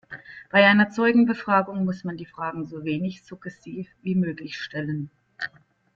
Bei einer Zeugenbefragung muss man die Fragen so wenig suggestiv wie möglich stellen.